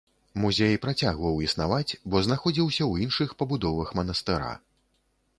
Музей працягваў існаваць, бо знаходзіўся ў іншых пабудовах манастыра.